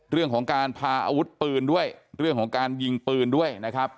เรื่องของการพาอาวุธปืนด้วยเรื่องของการยิงปืนด้วยนะครับ